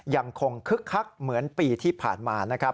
คึกคักเหมือนปีที่ผ่านมานะครับ